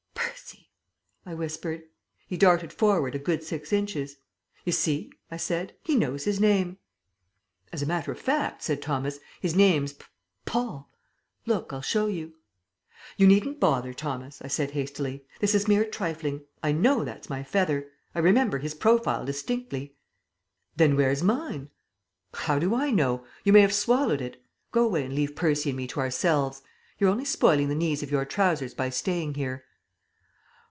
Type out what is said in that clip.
"P percy," I whispered. He darted forward a good six inches. "You see," I said, "he knows his name." "As a matter of fact," said Thomas, "his name's P paul. Look, I'll show you." "You needn't bother, Thomas," I said hastily. "This is mere trifling. I know that's my feather. I remember his profile distinctly." "Then where's mine?" "How do I know? You may have swallowed it. Go away and leave Percy and me to ourselves. You're only spoiling the knees of your trousers by staying here."